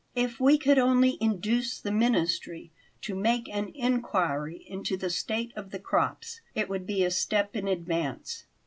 If we could only induce the ministry to make an inquiry into the state of the crops it would be a step in advance."